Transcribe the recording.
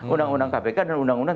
undang undang kpk dan undang undang